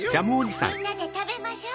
みんなでたべましょう！